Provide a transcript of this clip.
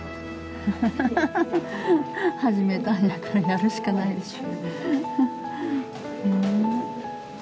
ハハハハ始めたんやからやるしかないでしょ。